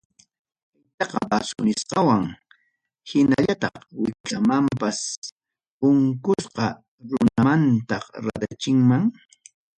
Kaytaqa bazo nisqaman hinallataq wiksamanpas unkusqa runamantam ratachinman.